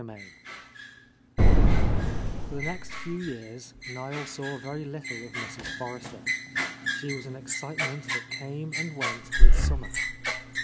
30— Ill F or the next few years Niel saw very lit tle of Mrs. Forrester. She was an excite ment that came and went with summer.